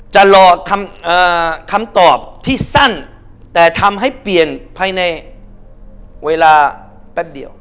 จะรอคำตอบที่สั้นแต่ทำให้เปลี่ยนภายในเวลาแป๊บเดียว